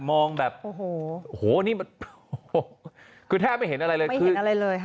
มองแบบโอ้โหโอ้โหนี่มันคือแทบไม่เห็นอะไรเลยไม่เห็นอะไรเลยค่ะ